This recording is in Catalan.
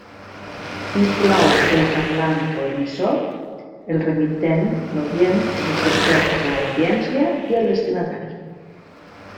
Inclou el parlant o emissor, el remitent, l’oient, receptor o audiència, i el destinatari.